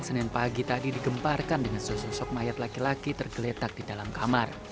senin pagi tadi digemparkan dengan sosok mayat laki laki tergeletak di dalam kamar